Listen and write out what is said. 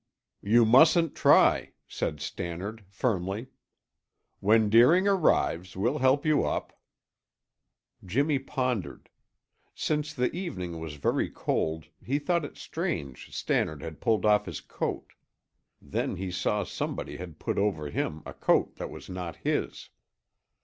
"You mustn't try," said Stannard firmly. "When Deering arrives we'll help you up." Jimmy pondered. Since the evening was very cold, he thought it strange Stannard had pulled off his coat. Then he saw somebody had put over him a coat that was not his.